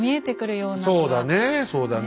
そうだねそうだね